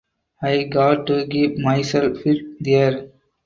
I got to keep myself fit there.